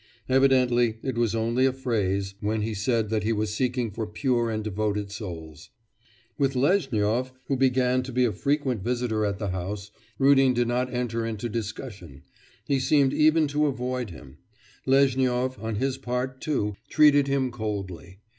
Evidently it was only a phrase when he said that he was seeking for pure and devoted souls. With Lezhnyov, who began to be a frequent visitor at the house, Rudin did not enter into discussion; he seemed even to avoid him. Lezhnyov, on his part, too, treated him coldly.